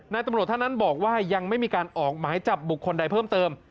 ตำรวจท่านนั้นบอกว่ายังไม่มีการออกหมายจับบุคคลใดเพิ่มเติม